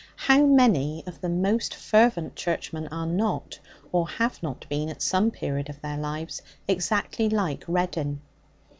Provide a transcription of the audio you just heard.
How many of the most fervent churchmen are not, or have not been at some period of their lives, exactly like Reddin?